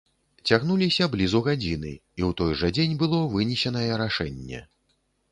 Цягнуліся блізу гадзіны, і ў той жа дзень было вынесенае рашэнне.